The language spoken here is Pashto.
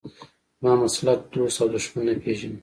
زما مسلک دوست او دښمن نه پېژني.